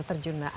kita perlu lihat